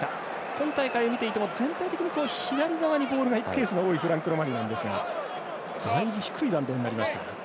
今大会見ていても全体的に左側にボールがいくケースが多いフランク・ロマニなんですがだいぶ低い弾道になりました。